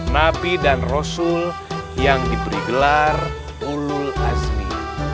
rapi dan rosul yang dipergelar ulul azmi